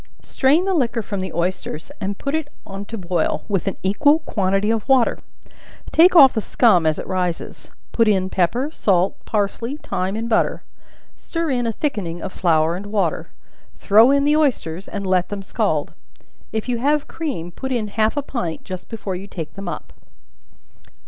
Strain the liquor from the oysters, and put it on to boil, with an equal quantity of water; take off the scum as it rises; put in pepper, salt, parsley, thyme and butter; stir in a thickening of flour and water; throw in the oysters, and let them scald. If you have cream, put in half a pint just before you take them up.